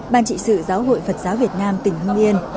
ban trị sự giáo hội phật giáo việt nam tỉnh hưng yên